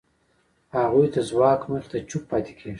هغوی د ځواک مخې ته چوپ پاتې کېږي.